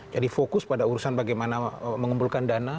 jadi fokus pada urusan bagaimana mengembulkan dana